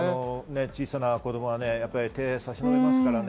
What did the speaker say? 小さな子供が手を差しのべますからね。